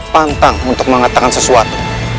pantang untuk mengatakan sesuatu